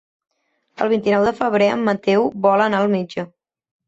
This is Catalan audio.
El vint-i-nou de febrer en Mateu vol anar al metge.